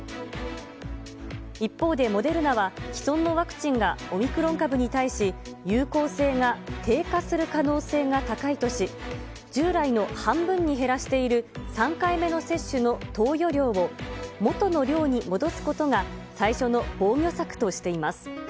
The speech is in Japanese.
一方でモデルナは、既存のワクチンがオミクロン株に対し、有効性が低下する可能性が高いとし、従来の半分に減らしている３回目の接種の投与量を、元の量に戻すことが、最初の防御策としています。